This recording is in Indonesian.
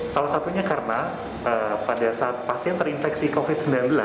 salah satunya karena pada saat pasien terinfeksi covid sembilan belas